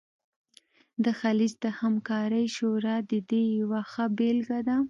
د خلیج د همکارۍ شورا د دې یوه ښه بیلګه ده